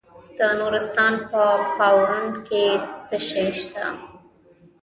د نورستان په پارون کې څه شی شته؟